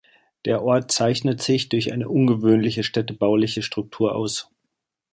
Der Ort zeichnet sich durch eine ungewöhnliche städtebauliche Struktur aus.